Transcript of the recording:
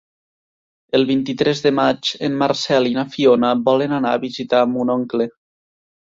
El vint-i-tres de maig en Marcel i na Fiona volen anar a visitar mon oncle.